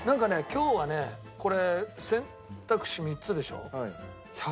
今日はねこれ選択肢３つでしょ？